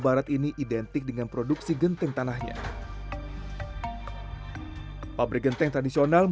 mulai menjadi tempat yang terkenal